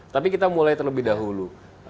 tapi kita mulai terlebih dahulu